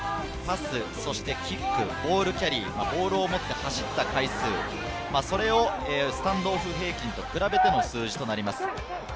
パス、キック、ボールキャリー、ボールを持って走った回数、それをスタンドオフ平均と比べての数字となります。